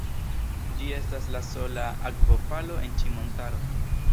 Ĝi estas la sola akvofalo en ĉi montaro.